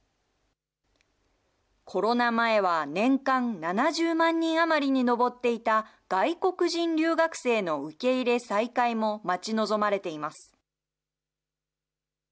コロナ前は年間７０万人余りに上っていた外国人留学生の受け入れ再開も待ち望まれています。